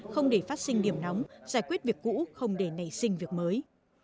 không để phát sinh điểm nóng giải quyết việc cũ không để nảy sinh việc mới